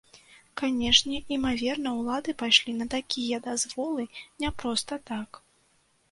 Канешне, імаверна, улады пайшлі на такія дазволы не проста так.